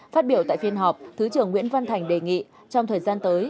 phát biểu tại phiên họp thứ trưởng nguyễn văn thành đề nghị trong thời gian tới